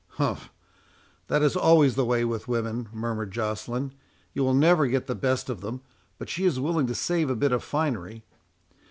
"Umph! that is always the way with women," murmured Joceline. "You will never get the best of them, but she is willing to save a bit of finery.